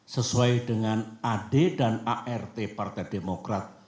sesuai dengan ad dan art partai demokrat